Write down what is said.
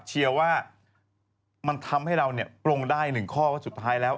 เชียวว่ามันทำให้เราเนี่ยปรงได้หนึ่งข้อสุดท้ายแล้ว